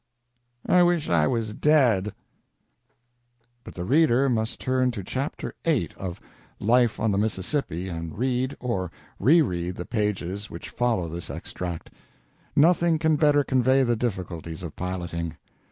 "I wish I was dead!" But the reader must turn to Chapter VIII of "Life on the Mississippi" and read, or reread, the pages which follow this extract nothing can better convey the difficulties of piloting.